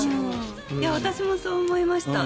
私もそう思いました。